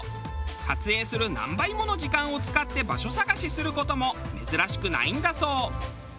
撮影する何倍もの時間を使って場所探しする事も珍しくないんだそう。